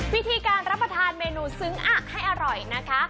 วิธีการรับประทานเมนูซึ้งอะให้อร่อยนะคะ